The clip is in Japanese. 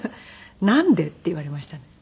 「なんで？」って言われましたね。